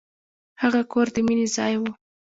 هغه کور د مینې ځای و.